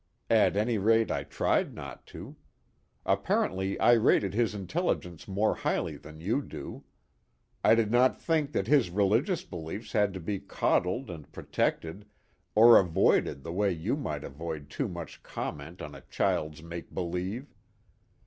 At any rate I tried not to. Apparently I rated his intelligence more highly than you do. I did not think that his religious beliefs had to be coddled and protected, or avoided the way you might avoid too much comment on a child's make believe.